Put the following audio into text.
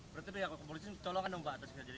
berarti pihak kepolisian kecolokan dong pak